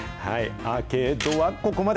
アーケードはここまで。